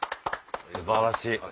素晴らしい。